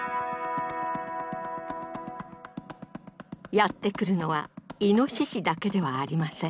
やって来るのはイノシシだけではありません。